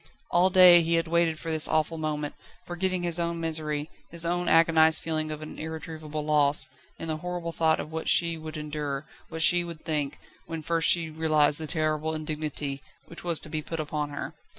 All day he had waited for this awful moment, forgetting his own misery, his own agonised feeling of an irretrievable loss, in the horrible thought of what she would endure, what she would think, when first she realised the terrible indignity, which was to be put upon her.